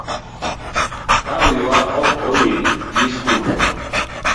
Ka wiwa ok owil gi skundwa.